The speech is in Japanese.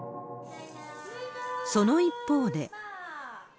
その一方で。